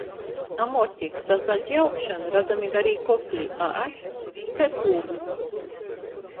A moti — sacalti augšan, radzami garī kokli, a acs — kai pūgys.